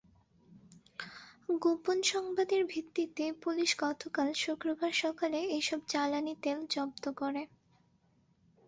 গোপন সংবাদের ভিত্তিতে পুলিশ গতকাল শুক্রবার সকালে এসব জ্বালানি তেল জব্দ করে।